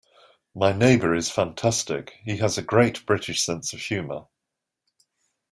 My neighbour is fantastic; he has a great British sense of humour.